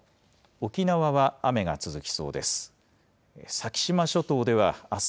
沖縄は雨が続きそうです。